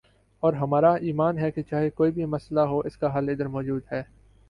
اور ہمارا ایمان ہے کہ چاہے کوئی بھی مسئلہ ہو اسکا حل ادھر موجود ہے